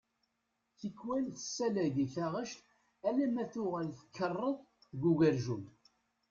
Tikwal tessalay di taɣect alamma tuɣal tkeṛṛeḍ deg ugerjum.